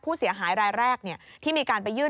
ผู้เสียหายรายแรกที่มีการไปยื่น